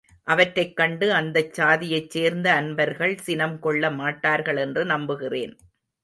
அவற்றைக் கண்டு அந்தச் சாதியைச் சேர்ந்த அன்பர்கள் சினம் கொள்ள மாட்டார்கள் என்று நம்புகிறேன்.